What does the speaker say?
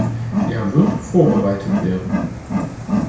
Er wird vorbereitet werden.